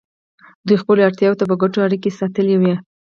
دوی خپلو اړتیاوو ته په کتو اړیکې ساتلې وې.